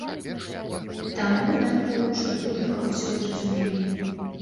Таму, мяркую, што публіка ўсё зразумее.